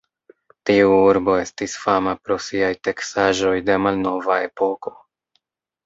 Tiu urbo estis fama pro siaj teksaĵoj de malnova epoko.